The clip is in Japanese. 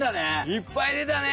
いっぱい出たね！